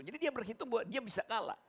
jadi dia berhitung bahwa dia bisa kalah